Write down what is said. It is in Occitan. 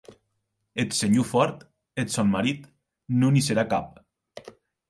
Eth senhor Ford, eth sòn marit, non i serà cap.